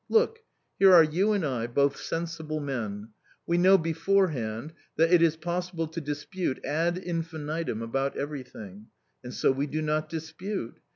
Look! Here are you and I, both sensible men! We know beforehand that it is possible to dispute ad infinitum about everything and so we do not dispute.